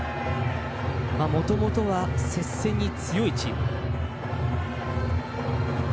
もともとは接戦に強いチーム。